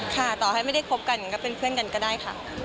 ต่อให้ไม่ได้คบกันก็เป็นเพื่อนกันก็ได้ค่ะ